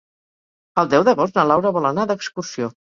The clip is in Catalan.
El deu d'agost na Laura vol anar d'excursió.